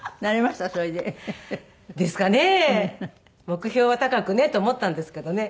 目標は高くねと思ったんですけどね。